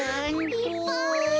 いっぱい。